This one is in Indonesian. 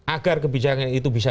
agar kebijakan itu bisa